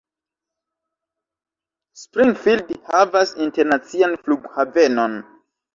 Springfield havas internacian flughavenon.